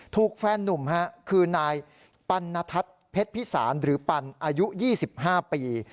ถูกแฟนนุ่มคือนายปัณทัศน์เพชรพิสารหรือปันอายุ๒๕ปี